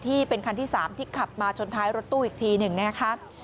ที่เป็นคันที่๓ที่ขับมาชนท้ายรถตู้อีกทีหนึ่งนะครับ